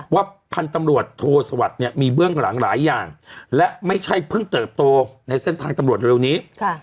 พันธุ์ตำรวจโทสวัสดิ์เนี่ยมีเบื้องหลังหลายอย่างและไม่ใช่เพิ่งเติบโตในเส้นทางตำรวจเร็วนี้